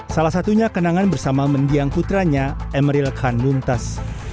salah satunya kenangan bersama mendiang putranya emeril khan muntas